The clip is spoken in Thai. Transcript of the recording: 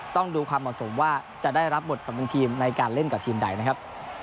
ต้องดูความเหมาะสมว่าจะได้รับบทกัปตันทีมในการเล่นกับทีมใดนะครับ